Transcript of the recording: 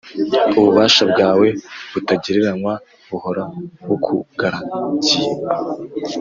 Ububasha bwawe butagereranywa buhora bukugaragiye;